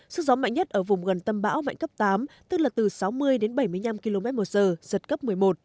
sức gió mạnh nhất ở vùng gần tâm bão mạnh cấp tám tức là từ sáu mươi đến bảy mươi năm km một giờ giật cấp một mươi một